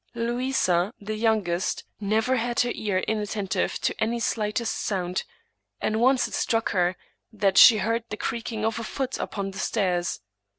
Louisa, the youngest, never had her ear inattentive to the slightest sound, and once it struck her that she heard the creaking of a foot upon the stairs.